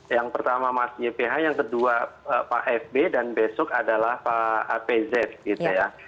yang pertama mas yph yang kedua pak fb dan besok adalah pak apz gitu ya